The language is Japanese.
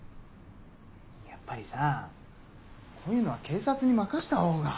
やっぱりさこういうのは警察に任した方が。